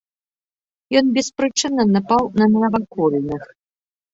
Ён беспрычынна напаў на навакольных.